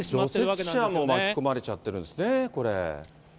除雪車も巻き込まれちゃってるんですね、これ。